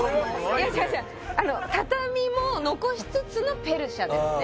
いや違う違う畳も残しつつのペルシャですね